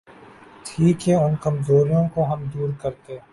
تھی کہ ان کمزوریوں کو ہم دور کرتے۔